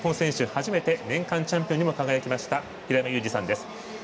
初めて年間チャンピオンに輝いた平山ユージさんです。